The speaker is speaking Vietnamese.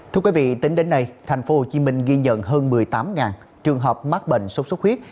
thưa quý vị tính đến nay tp hcm ghi nhận hơn một mươi tám trường hợp mắc bệnh sốt xuất huyết